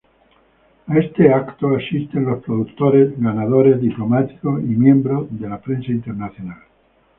A este evento asisten los productores ganadores, diplomáticos, y miembros de la prensa internacional.